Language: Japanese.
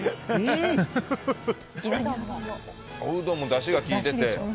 おうどんもだしがきいてて。